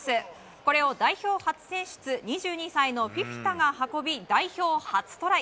これを代表初選出２２歳のフィフィタが運び代表初トライ。